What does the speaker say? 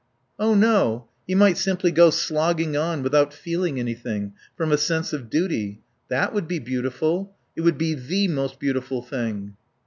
"Oh no; he might simply go slogging on without feeling anything, from a sense of duty. That would be beautiful; it would be the most beautiful thing."